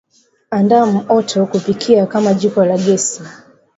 Andaa m oto kupikia kama jiko la gesi